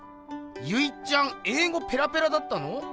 ゆいっちゃんえい語ペラペラだったの？